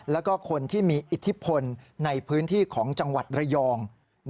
แล้วก็คนที่มีอิทธิพลในพื้นที่ของจังหวัดระยอง